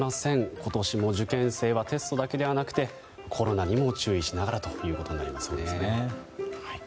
今年も受験生はテストだけでなくコロナにも注意しながらとなりますね。